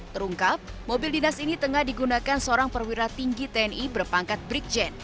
terungkap mobil dinas ini tengah digunakan seorang perwira tinggi tni berpangkat brikjen